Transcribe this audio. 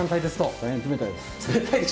大変冷たいです。